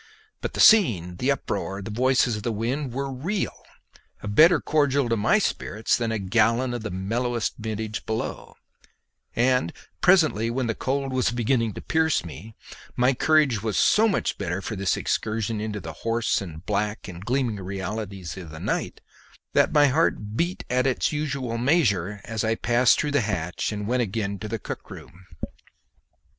But the scene, the uproar, the voices of the wind were real a better cordial to my spirits than a gallon of the mellowest vintage below; and presently, when the cold was beginning to pierce me, my courage was so much the better for this excursion into the hoarse and black and gleaming realities of the night, that my heart beat at its usual measure as I passed through the hatch and went again to the cook room.